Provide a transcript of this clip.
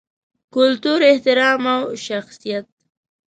کلتور، احترام او شخصیت